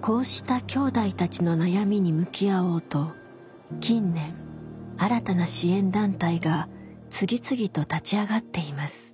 こうしたきょうだいたちの悩みに向き合おうと近年新たな支援団体が次々と立ち上がっています。